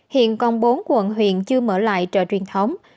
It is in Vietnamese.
hiện còn bốn quận huyện chưa mở lại chợ truyền thống